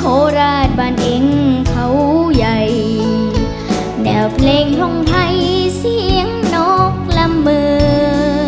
ขอราชบ้านเอ็งเขาใหญ่แนวเพลงห่วงให้เสียงนกละเมิด